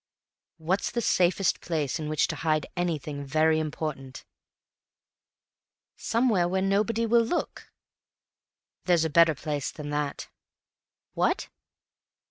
"What's the safest place in which to hide anything very important?" "Somewhere where nobody will look." "There's a better place than that." "What?"